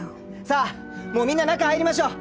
さあもうみんな中入りましょう。